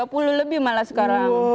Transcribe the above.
tiga puluh lebih malah sekarang